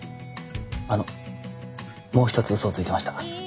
あのもう一つ嘘をついていました。